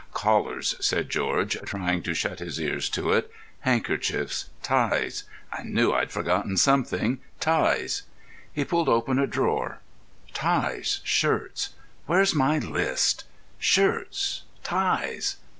"Collars," said George, trying to shut his ears to it, "handkerchiefs, ties—I knew I'd forgotten something: ties." He pulled open a drawer. "Ties, shirts—where's my list?—shirts, ties."